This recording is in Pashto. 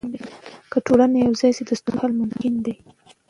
که ټولنه یوځای سي، نو د ستونزو حل ممکن دی.